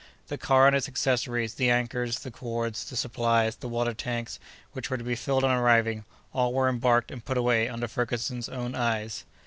The car and its accessories, the anchors, the cords, the supplies, the water tanks, which were to be filled on arriving, all were embarked and put away under Ferguson's own eyes.